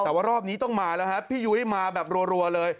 แต่ว่ารอบนี้ต้องมาแล้วครับพี่ยุ้ยมาแบบรัวเลย